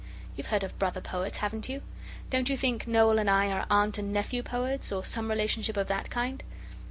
You've heard of brother poets, haven't you? Don't you think Noel and I are aunt and nephew poets, or some relationship of that kind?